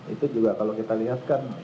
itu juga kalau kita lihatkan